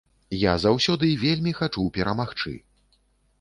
Я заўсёды вельмі хачу перамагчы.